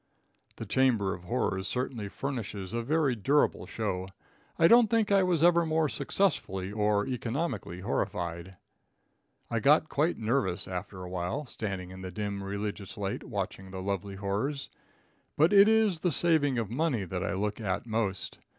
The chamber of horrors certainly furnishes a very durable show. I don't think I was ever more successfully or economically horrified. I got quite nervous after a while, standing in the dim religious light watching the lovely horrors. But it is the saving of money that I look at most.